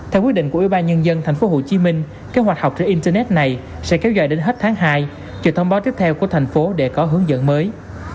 theo quyết định của ubnd tp hcm kế hoạch học trên internet này sẽ kéo dài đến hết tháng hai chờ thông báo tiếp theo của thành phố để có hướng dẫn mới